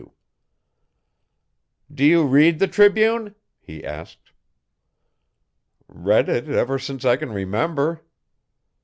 'Do you read the Tribune? he asked.' 'Read it ever since I can remember.'